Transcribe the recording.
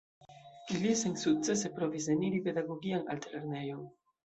Li sensukcese provis eniri Pedagogian Altlernejon.